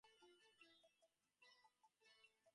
বিনুর জীবন নতুন একটি খাতে প্রবাহিত হচ্ছে।